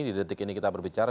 di detik ini kita berbicara